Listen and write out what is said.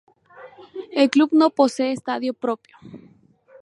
El club no posee estadio propio.